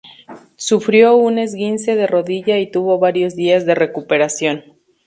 Sufrió un esguince de rodilla y tuvo varios días de recuperación.